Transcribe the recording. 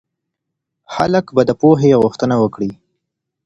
خلک به د پوهې غوښتنه وکړي.